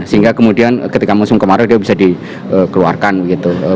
sehingga kemudian ketika musim kemarau dia bisa dikeluarkan gitu